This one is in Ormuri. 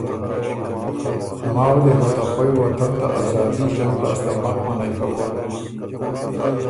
ماخ دی ته خوئ وطن ته آزادي جنګ لاسته مک منعئ کوون